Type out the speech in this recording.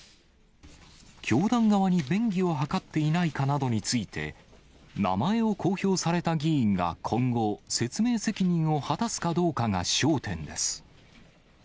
教団側に便宜を図っていないかなどについて、名前を公表された議員が今後、説明責任を果たすかどうかが焦点です。